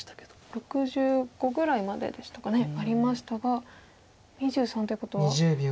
６５ぐらいまででしたかねありましたが２３ということは。